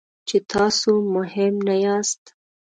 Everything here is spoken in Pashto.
چې تاسو مهم نه یاست.